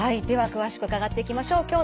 では詳しく伺っていきましょう。